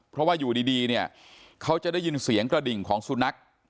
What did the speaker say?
เพราะว่าอยู่ดีเนี่ยเขาจะได้ยินเสียงกระดิ่งของสุนัข